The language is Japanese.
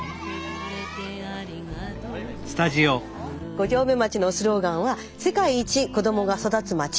五城目町のスローガンは「世界一子どもが育つまち」。